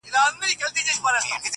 هغه مي سرې سترگي زغملای نسي.